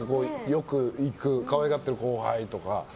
よく行く、可愛がってる後輩とか。